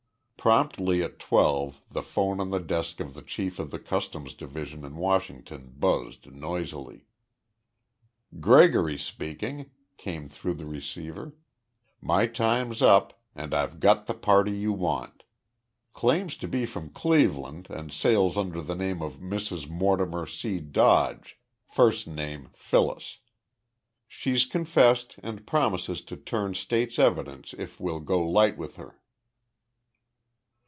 Promptly at twelve the phone on the desk of the chief of the Customs Division in Washington buzzed noisily. "Gregory speaking," came through the receiver. "My time's up and I've got the party you want. Claims to be from Cleveland and sails under the name of Mrs. Mortimer C. Dodge first name Phyllis. She's confessed and promises to turn state's evidence if we'll go light with her."